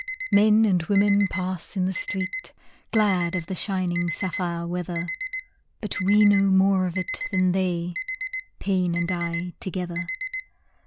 Men and women pass in the street Glad of the shining sapphire weather, But we know more of it than they, Pain and I together.